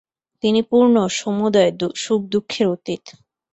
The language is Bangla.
তিনি পূর্ণ, সমুদয় সুখ-দুঃখের অতীত।